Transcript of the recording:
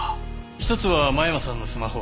１つは間山さんのスマホ。